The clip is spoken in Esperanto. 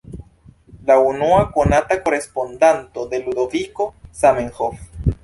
La unua konata korespondanto de Ludoviko Zamenhof.